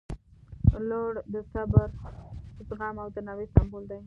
• لور د صبر، زغم او درناوي سمبول دی.